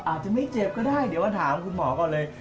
อาจจะไม่เจ็บก็ได้เดี๋ยวมาถามคุณหมอก่อนเลย